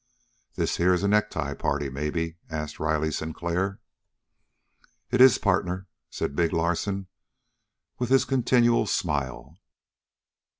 "This here is a necktie party, maybe?" asked Riley Sinclair. "It is, partner," said big Larsen, with his continual smile.